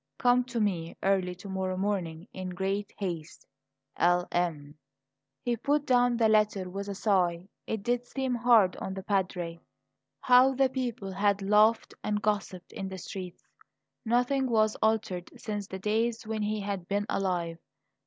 Come to me early to morrow morning. In great haste, "L. M." He put down the letter with a sigh; it did seem hard on the Padre. How the people had laughed and gossiped in the streets! Nothing was altered since the days when he had been alive.